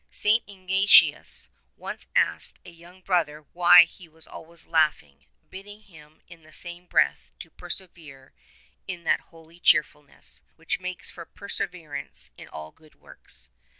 St. Ignatius once asked a young Brother why he was always laughing — bidding him in the same breath to persevere in that holy cheerfulness which makes for perseverance in all good works.